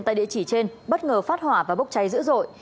tại địa chỉ trên bất ngờ phát hỏa và bốc cháy dữ dội